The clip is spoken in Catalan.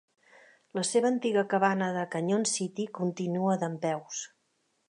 La seva antiga cabana de Canyon City continua dempeus.